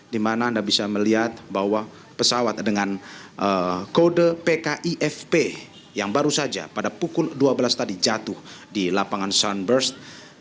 di mana anda bisa melihat bahwa pesawat dengan kode pkifp yang baru saja pada pukul dua belas tadi jatuh di lapangan sunburst